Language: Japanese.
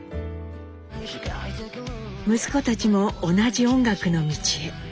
息子たちも同じ音楽の道へ。